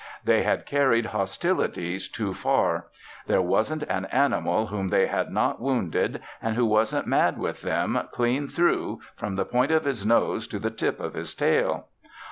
They had carried hostilities too far; there wasn't an animal whom they had not wounded and who wasn't mad with them clean through from the point of his nose to the tip of his tail.